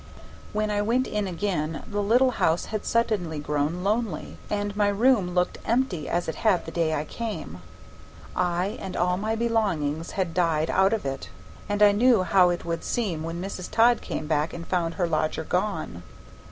When I went in again the little house had suddenly grown lonely, and my room looked empty as it had the day I came. I and all my belongings had died out of it, and I knew how it would seem when Mrs. Todd came back and found her lodger gone.